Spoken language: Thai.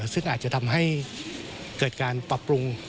ซึ่งอาจจะทำให้เกิดการปรับปรุง